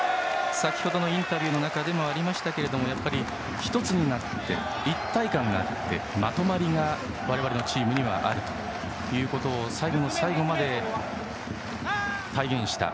先程のインタビューの中でもありましたがやっぱり１つになって一体感があってまとまりが我々のチームにはあるということを最後の最後まで体現した。